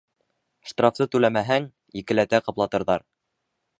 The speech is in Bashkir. Штрафты түләмәһәң, икеләтә ҡаплатырҙар